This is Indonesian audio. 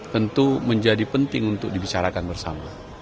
tentu menjadi penting untuk dibicarakan bersama